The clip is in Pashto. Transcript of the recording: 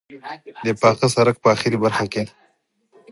د پاخه سړک په آخري برخه کې.